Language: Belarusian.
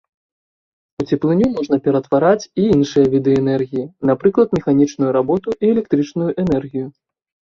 У цеплыню можна ператвараць і іншыя віды энергіі, напрыклад механічную работу і электрычную энергію.